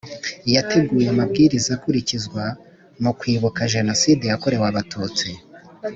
yateguye amabwiriza akurikizwa mu kwibuka Jenoside yakorewe Abatutsi